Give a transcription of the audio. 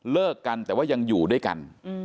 เลิกกันแต่ว่ายังอยู่ด้วยกัน